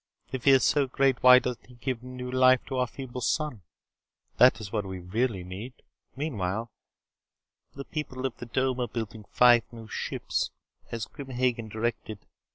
If he is so great, why doesn't he give new life to our feeble sun? That is what we really need. Meanwhile, the people of the Dome are building five new ships, as Grim Hagen directed.